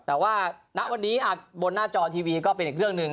แต่ว่าณวันนี้บนหน้าจอทีวีก็เป็นอีกเรื่องหนึ่ง